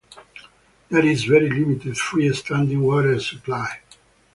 There is very limited free-standing water supply.